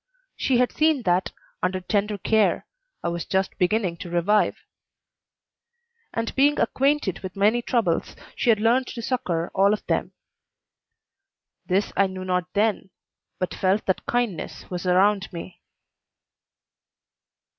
She had seen that, under tender care, I was just beginning to revive, and being acquainted with many troubles, she had learned to succor all of them. This I knew not then, but felt that kindness was around me.